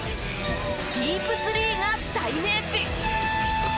ディープスリーが代名詞。